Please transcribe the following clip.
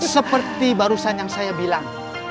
seperti barusan yang saya bilang